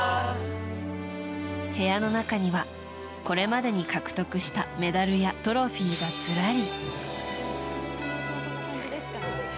部屋の中にはこれまでに獲得したメダルやトロフィーがずらり。